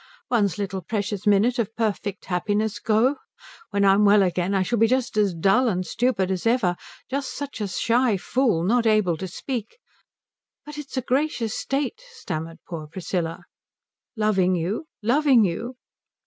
One's little precious minute of perfect happiness go? When I'm well again I shall be just as dull and stupid as ever, just such a shy fool, not able to speak " "But it's a gracious state" stammered poor Priscilla. "Loving you? Loving you?"